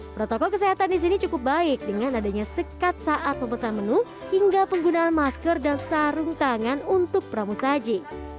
protokol kesehatan di sini cukup baik dengan adanya sekat saat memesan menu hingga penggunaan masker dan sarung tangan untuk pramu saji